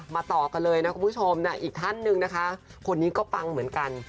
ต่อกันเลยนะคุณผู้ชมนะอีกท่านหนึ่งนะคะคนนี้ก็ปังเหมือนกัน